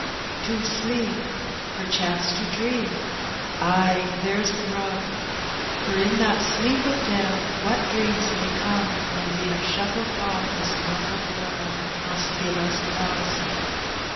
^' To sleep! perchance to dream;— ay, there's the mb ; For in that sleep of death what dreams may come, When we have shuffled off this mortal coil, Must give us pause.